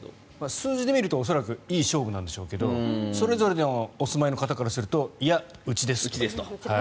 数字で見ると恐らく、いい勝負なんでしょうがそれぞれのお住まいの方からするといや、うちですと。